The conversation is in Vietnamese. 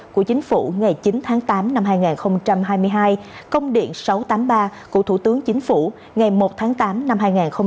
của chính phủ ngày chín tháng tám năm hai nghìn hai mươi hai công điện sáu trăm tám mươi ba của thủ tướng chính phủ ngày một tháng tám năm hai nghìn hai mươi ba